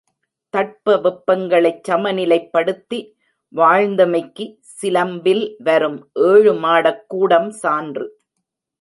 தட்ப வெப்பங்களைச் சமநிலைப்படுத்தி வாழ்ந்தமைக்கு, சிலம்பில் வரும் ஏழுமாடக் கூடம் சான்று.